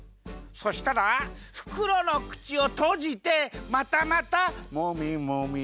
そしたらふくろのくちをとじてまたまたもみもみ。